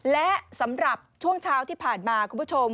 และสำหรับช่วงเช้าที่ผ่านมาคุณผู้ชม